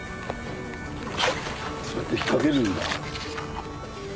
そうやって引っ掛けるんだ。